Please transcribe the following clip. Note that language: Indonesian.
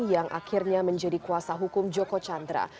yang akhirnya menjadi kuasa hukum joko chandra